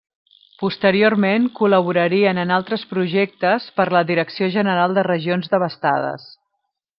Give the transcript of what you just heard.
Posteriorment col·laborarien en altres projectes per la Direcció general de Regions Devastades.